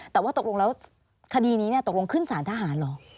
แต่ว่าตกลงแล้วคดีนี้ตกลงขึ้นสารทหารเหรอ